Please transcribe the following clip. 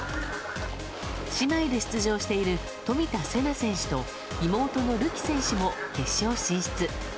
姉妹で出場している冨田せな選手と、妹のるき選手も決勝進出。